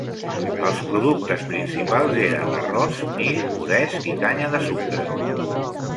Els productes principals eren arròs, mill, moresc i canya de sucre.